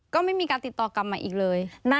ก็ไม่มีการติดต่อกลับมาอีกเลย